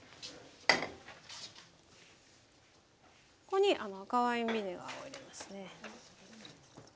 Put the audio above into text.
ここに赤ワインビネガーを入れますね。